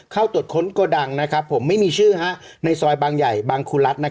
เข้าตรวจค้นโกดังผมไม่มีชื่อในซอยบางใหญ่บางครูรัฐ